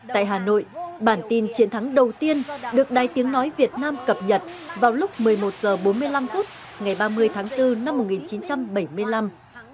tại hà nội bản tin chiến thắng đầu tiên được đài tiếng nói việt nam cập nhật vào lúc một mươi một h bốn mươi năm phút ngày ba mươi tháng bốn năm một nghìn chín trăm bảy mươi năm